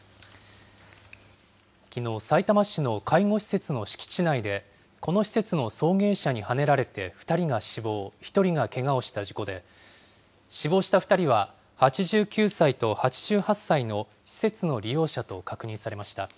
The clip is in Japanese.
きのう、さいたま市の介護施設の敷地内で、この施設の送迎車にはねられて２人が死亡、１人がけがをした事故で、死亡した２人は、８９歳と８８歳の施設の利用者と確認されました。